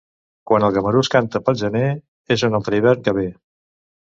Quan el gamarús canta pel gener, és un altre hivern que ve.